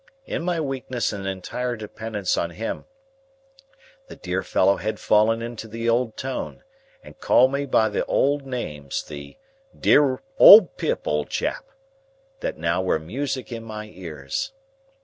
In my weakness and entire dependence on him, the dear fellow had fallen into the old tone, and called me by the old names, the dear "old Pip, old chap," that now were music in my ears.